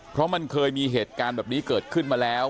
เพราะมันเคยมีเหตุการณ์แบบนี้เกิดขึ้นมาแล้ว